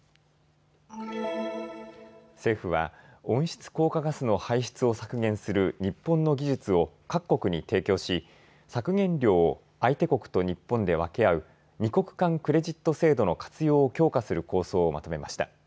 政府は温室効果ガスの排出を削減する日本の技術を各国に提供し、削減量を相手国と日本で分け合う二国間クレジット制度の活用を強化する構想をまとめました。